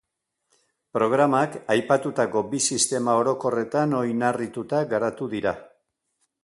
Programak aipatutako bi sistema orokorretan oinarrituta garatu dira.